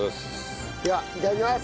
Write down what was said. ではいただきます！